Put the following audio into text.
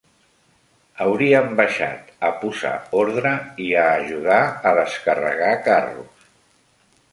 Haurien baixat a posar ordre i a ajudar a descarregar carros.